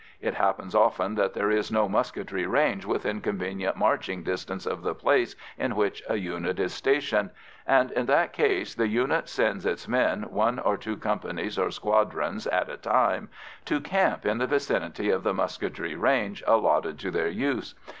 It happens often that there is no musketry range within convenient marching distance of the place in which a unit is stationed, and, in that case, the unit sends its men, one or two companies or squadrons at a time, to camp in the vicinity of the musketry range allotted to their use.